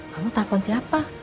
mama telfon siapa